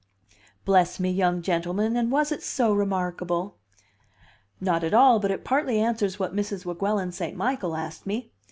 "Bless me, young gentleman! and was it so remarkable?" "Not at all, but it partly answers what Mrs. Weguelin St. Michael asked me.